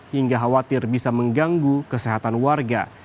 hingga khawatir bisa mengganggu kesehatan warga